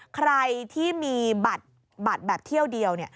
ใครที่มีบัตรแบบเที่ยวเดียว